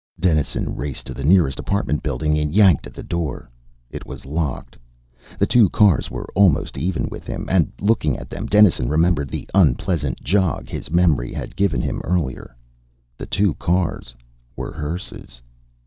Dennison raced to the nearest apartment building and yanked at the door. It was locked. The two cars were almost even with him. And, looking at them, Dennison remembered the unpleasant jog his memory had given him earlier. The two cars were hearses.